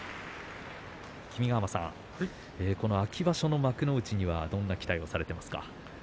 君ヶ濱さん、秋場所の幕内にはどんな期待をされていますか。